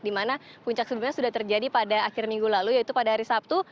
di mana puncak sebelumnya sudah terjadi pada akhir minggu lalu yaitu pada hari sabtu